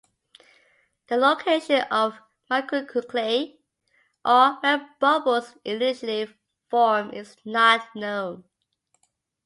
The location of micronuclei or where bubbles initially form is not known.